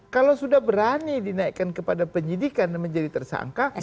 kalau sudah berani dinaikkan kepada penyidikan dan menjadi tersangka